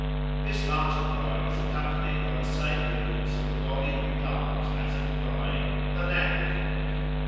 This last cry is accompanied by the same movements of the body and arms as in crying 'the neck.'